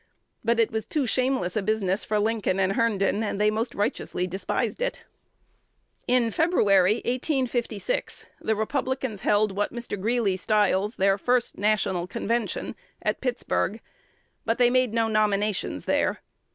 But it was too shameless a business for Lincoln and Herndon; and they most righteously despised it. In February, 1856, the Republicans held what Mr. Greeley styles their "first National. Convention," at Pittsburg; but they made no nominations there.